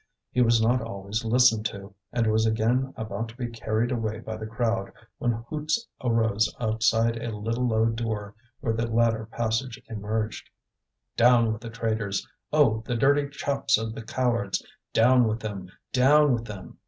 He was not always listened to; and was again about to be carried away by the crowd, when hoots arose outside at a little low door where the ladder passage emerged. "Down with the traitors! Oh! the dirty chops of the cowards! Down with them! down with them!"